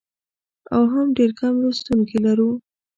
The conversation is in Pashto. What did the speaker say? او هم ډېر کم لوستونکي لرو.